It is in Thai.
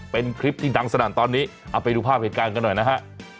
เป็นคลิปที่ดังสนั่นตอนนี้เอาไปดูภาพเหตุการณ์กันหน่อยนะฮะ